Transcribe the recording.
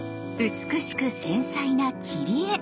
美しく繊細な切り絵！